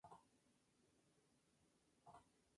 Si no luchamos, estamos perdidos".